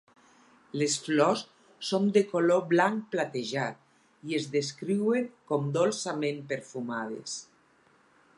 Les flors són de color blanc platejat i es descriuen com dolçament perfumades.